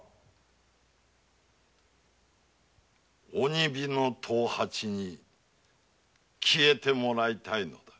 鬼火の藤八に消えてもらいたいのだ。